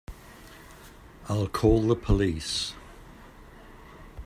I'll call the police.